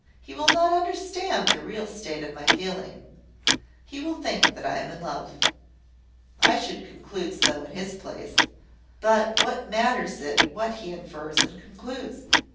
"He will not understand the real state of my feeling. He will think that I am in love. I should conclude so in his place. But what matters it what he infers and concludes?